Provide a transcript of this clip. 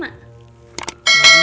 ya kagak keliatan